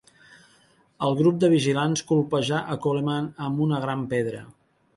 El grup de vigilants colpejà a Coleman amb una gran pedra.